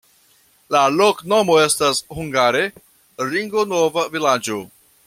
La loknomo estas hungare: ringo-nova-vilaĝo.